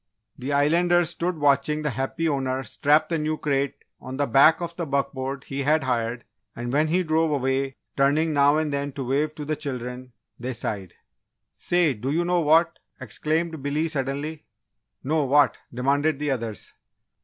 The Islanders stood watching the happy owner strap the new crate on the back of the buckboard he had hired, and when he drove way, turning now and then to wave to the children, they sighed. "Say, do you know what?" exclaimed Billy, suddenly. "No, what?" demanded the others.